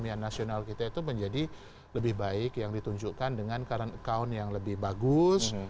pemilihan nasional kita itu menjadi lebih baik yang ditunjukkan dengan current account yang lebih bagus